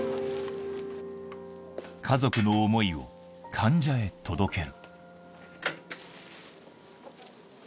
家族の思いを患者へ届ける。